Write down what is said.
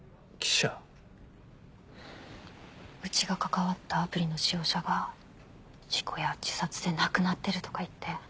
うちが関わったアプリの使用者が事故や自殺で亡くなってるとか言って。